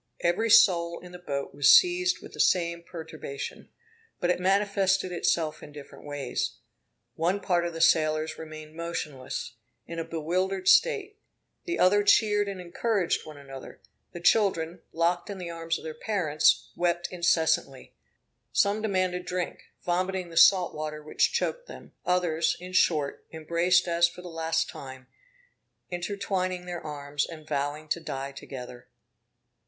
Every soul in the boat was seized with the same perturbation, but it manifested itself in different ways. One part of the sailors remained motionless, in a bewildered state; the other cheered and encouraged one another; the children, locked in the arms of their parents, wept incessantly. Some demanded drink, vomiting the salt water which choked them; others, in short, embraced as for the last time, intertwining their arms, and vowing to die together.